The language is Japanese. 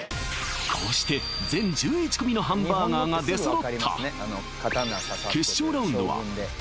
こうして全１１組のハンバーガーが出揃った！